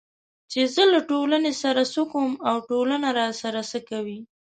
چې زه له ټولنې سره څه کوم او ټولنه راسره څه کوي